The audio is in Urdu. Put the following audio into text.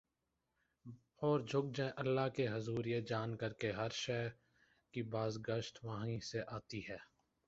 اور جھک جائیں اللہ کے حضور یہ جان کر کہ ہر شے کی باز گشت وہیں سے آتی ہے ۔